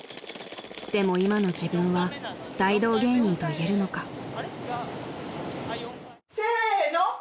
［でも今の自分は大道芸人と言えるのか？］